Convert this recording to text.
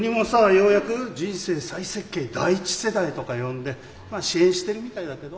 ようやく「人生再設計第一世代」とか呼んで支援してるみたいだけど。